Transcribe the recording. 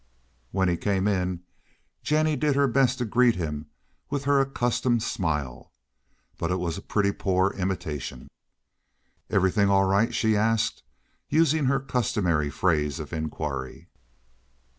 When he came in Jennie did her best to greet him with her accustomed smile, but it was a pretty poor imitation. "Everything all right?" she asked, using her customary phrase of inquiry.